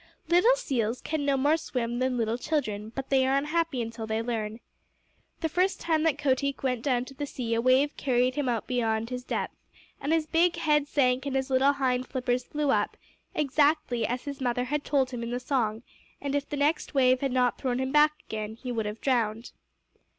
Little seals can no more swim than little children, but they are unhappy till they learn. The first time that Kotick went down to the sea a wave carried him out beyond his depth, and his big head sank and his little hind flippers flew up exactly as his mother had told him in the song, and if the next wave had not thrown him back again he would have drowned.